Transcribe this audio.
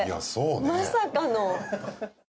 まさかの。